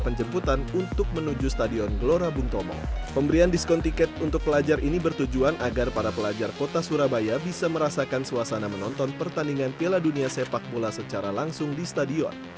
pemberian diskon tiket untuk pelajar ini bertujuan agar para pelajar kota surabaya bisa merasakan suasana menonton pertandingan piala dunia sepak bola secara langsung di stadion